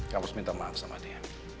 kamu harus minta maaf sama dia